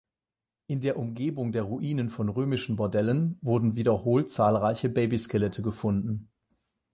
In der Umgebung der Ruinen von römischen Bordellen wurden wiederholt zahlreiche Baby-Skelette gefunden.